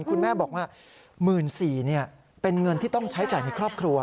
คุณแม่บอกว่า๑๔๐๐บาทเป็นเงินที่ต้องใช้จ่ายในครอบครัว